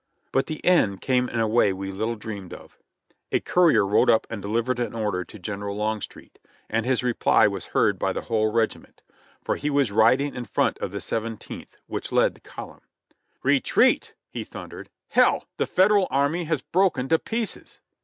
But the end came in a way we little dreamed of. A courier rode up and delivered an order to General Longstreet, and his reply was heard by the whole regiment, for he was riding in front of the Seventeenth, which led the column. "Retreat !" he thundered. "Hell ! the Federal army has broken to pieces."